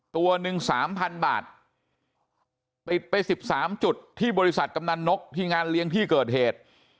ตัวหนึ่งสามพันบาทปิดไป๑๓จุดที่บริษัทกำนันนกที่งานเลี้ยงที่เกิดเหตุ